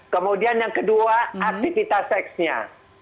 kemudian yang kedua aktivitas seksnya